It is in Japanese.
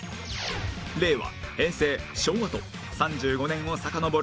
令和平成昭和と３５年をさかのぼる